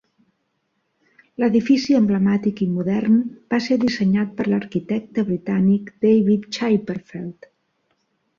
L'edifici emblemàtic i modern va ser dissenyat per l'arquitecte britànic David Chipperfield.